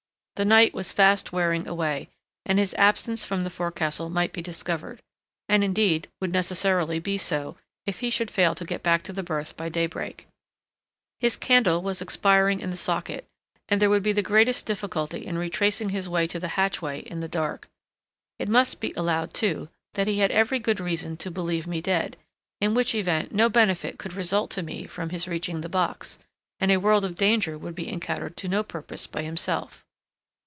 The night was fast wearing away, and his absence from the forecastle might be discovered; and indeed would necessarily be so, if he should fail to get back to the berth by daybreak. His candle was expiring in the socket, and there would be the greatest difficulty in retracing his way to the hatchway in the dark. It must be allowed, too, that he had every good reason to believe me dead; in which event no benefit could result to me from his reaching the box, and a world of danger would be encountered to no purpose by himself.